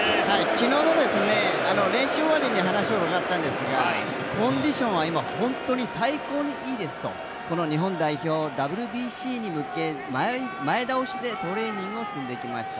昨日の練習終わりに話を聞いたんですがコンディションは本当に最高にいいですとこの日本代表、ＷＢＣに向けて前倒しでトレーニングを積んできました。